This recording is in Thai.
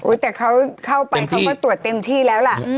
แต่เขาเข้าไปเขาก็ตรวจเต็มที่แล้วล่ะ